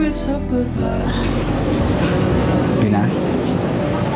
bapak jalan dulu ya